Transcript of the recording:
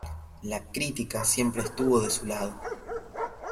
La crítica siempre estuvo de su lado.